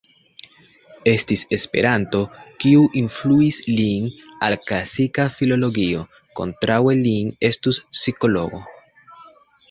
Estis esperanto kiu influis lin al klasika filologio; kontraŭe li estus psikologo.